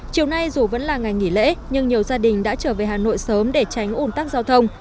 chiều nay dù vẫn là ngày nghỉ lễ nhưng nhiều gia đình đã trở về hà nội sớm để tránh ủn tắc giao thông